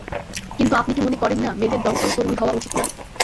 কিন্তু আপনি কি মনে করেন না মেয়েদের দমকল কর্মী হওয়া উচিত না?